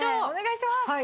お願いします！